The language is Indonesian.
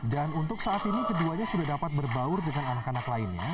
dan untuk saat ini keduanya sudah dapat berbaur dengan anak anak lainnya